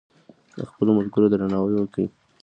د خپلو ملګرو درناوی وکړئ.